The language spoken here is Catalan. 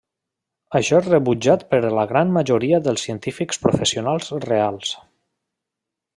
Això és rebutjat per la gran majoria dels científics professionals reals.